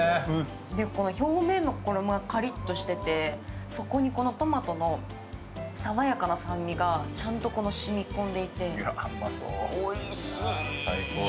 表面の衣がカリッとしてて、そこにトマトのさわやかな酸味がちゃんと染み込んでいて、おいしい。